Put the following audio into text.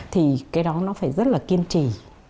thì cái đó nó phải rất là kiên trì